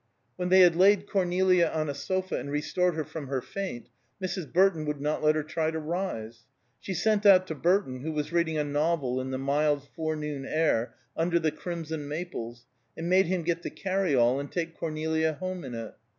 When they had laid Cornelia on a sofa and restored her from her faint, Mrs. Burton would not let her try to rise. She sent out to Burton, who was reading a novel in the mild forenoon air under the crimson maples, and made him get the carryall and take Cornelia home in it.